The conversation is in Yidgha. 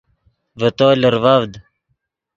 ڤے تو لرڤڤد